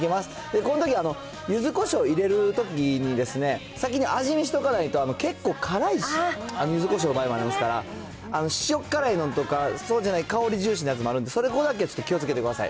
このとき、ゆずこしょう入れるときに、先に味見しとかないと、結構辛いし、ゆずこしょうの場合はあれですから、塩辛いのとか、そうじゃない香り重視のやつもあるんで、そこだけ気をつけてください。